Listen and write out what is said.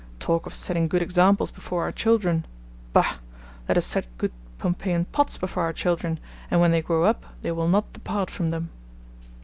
Talk of setting good examples before our children! Bah! let us set good Pompeian Pots before our children, and when they grow up they will not depart from them.